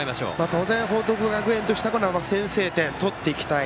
当然、報徳学園としては先制点を取っていきたい。